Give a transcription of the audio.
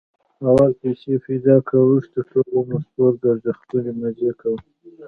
اول پیسې پیدا کړه، ورسته ټول عمر سپورګرځه خپلې مزې کوه.